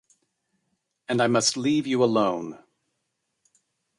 And I must leave you alone.